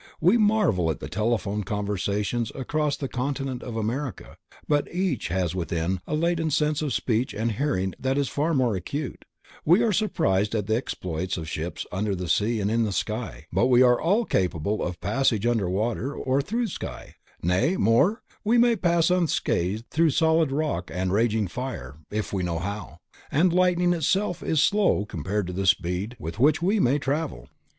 We marvel at the telephone conversations across the continent of America, but each has within a latent sense of speech and hearing that is far more acute; we are surprised at the exploits of ships under sea and in the sky, but we are all capable of passage under water or through the sky; nay, more, we may pass unscathed through the solid rock and the raging fire, if we know how, and lightning itself is slow compared to the speed with which we may travel.